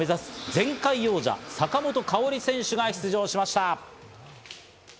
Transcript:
前回王者・坂本花織選手が出場しました。